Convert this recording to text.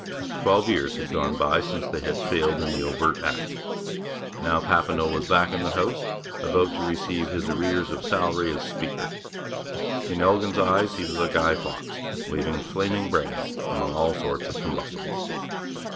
Twelve years had gone by since they had failed in the overt act. Now Papineau was back in the House, about to receive his arrears of salary as Speaker. In Elgin's eyes he was a Guy Fawkes waving flaming brands among all sorts of combustibles.